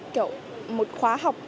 kiểu một khóa học